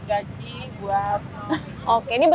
kita buat gaji buat